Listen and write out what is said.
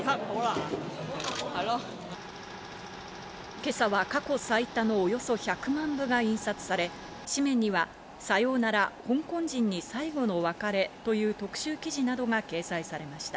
今朝は過去最多のおよそ１００万部が印刷され、紙面には「さようなら、香港人に最後の別れ」という特集記事などが掲載されました。